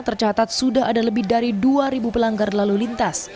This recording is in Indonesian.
tercatat sudah ada lebih dari dua pelanggar lalu lintas